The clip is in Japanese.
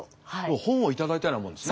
本を頂いたようなもんですね。